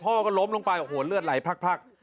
พ่อก็ล้มลงไปโอ้โหเลือดไหลพัก